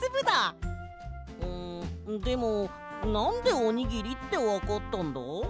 うんでもなんでおにぎりってわかったんだ？